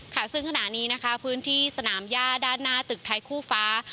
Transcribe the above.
ค่ะซึ่งขณะนี้นะคะพื้นที่สนามย่าด้านหน้าตึกไทยคู่ฟ้า